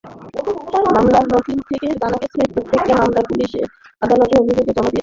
মামলার নথি থেকে জানা গেছে, প্রত্যেকটি মামলায় পুলিশ আদালতে অভিযোগপত্র জমা দিয়েছেন।